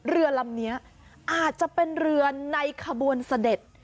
เรือลำนี้อาจจะเป็นเรือในขบวนเสด็จ